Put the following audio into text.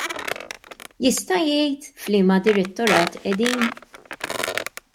Jista' jgħid f'liema direttorat qegħdin?